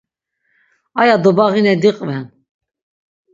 Aya dobağine diqven.